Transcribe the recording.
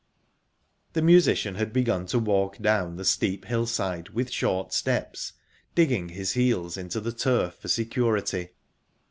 The musician had begun to walk down the steep hillside with short steps, digging his heels into the turf for security.